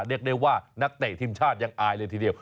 เรียกได้ว่านักเตะทีมชาติยังอายเลยทีเดียว